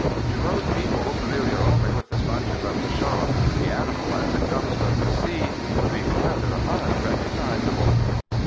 "To most people, familiar only with the sponges of the shops, the animal as it comes from the sea would be rather unrecognisable."